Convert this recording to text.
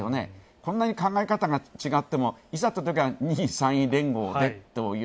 そんなに考え方が違ってもいざってときは２位３位連合という。